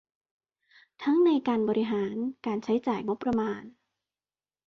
ทั้งในการบริหาร การใช้จ่ายงบประมาน